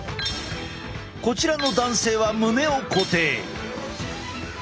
こちらの男性は胸を固定。